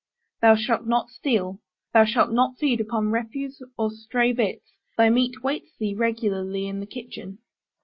Thou shalt not steal. Thou shalt not feed upon refuse or stray bits: thy meat waits thee regularly in the kitchen.